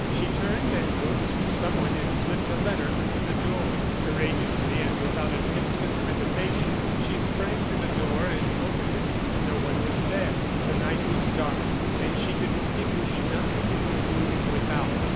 She turned and looked; someone had slipped a letter under the door. Courageously, and without an instant's hesitation, she sprang to the door and opened it. No one was there! The night was dark, and she could distinguish nothing in the gloom without.